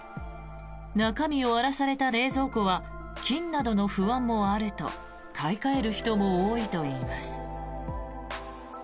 中身を荒らされた冷蔵庫は菌などの不安もあると買い替える人も多いといいます。